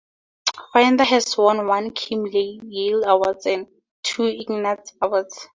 Finder has won one Kim Yale award and two Ignatz awards.